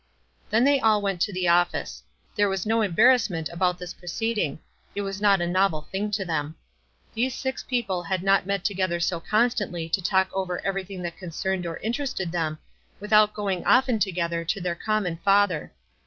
Then they all went to the office. There was no embarrassment about this proceeding — it was not a novel thing to them. These six peo ple had not met together so constantly to talk over everything that concerned or interested them without going often together to theiz com mon Father.